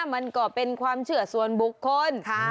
มันก็เป็นความเชื่อส่วนบุคคล